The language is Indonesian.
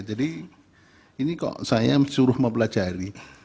jadi ini kok saya suruh mempelajari